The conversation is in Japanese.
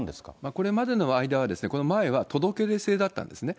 これまでの間は、この前は、届け出制だったんですね。